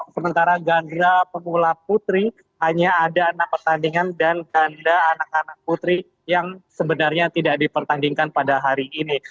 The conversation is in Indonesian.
sementara ganda pemula putri hanya ada enam pertandingan dan ganda anak anak putri yang sebenarnya tidak dipertandingkan pada hari ini